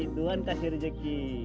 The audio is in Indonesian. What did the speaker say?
tuhan kasih rezeki